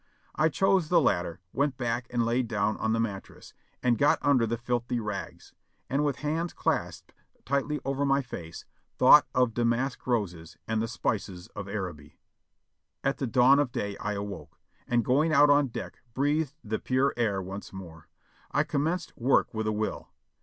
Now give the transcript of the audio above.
I chose the latter, went back and laid down on the mattress, and got under the filthy rags, and with hands clasped tightly over my face, thought of damask roses and the spices of Araby. At the dawn of day I awoke, and going out on deck breathed the pure air once more. I commenced work with a will.